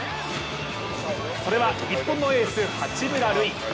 それは日本のエース・八村塁。